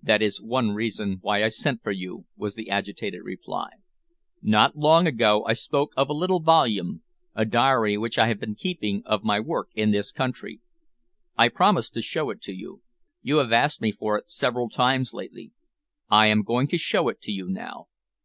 "That is one reason why I sent for you," was the agitated reply. "Not long ago I spoke of a little volume, a diary which I have been keeping of my work in this country. I promised to show it to you. You have asked me for it several times lately. I am going to show it to you now.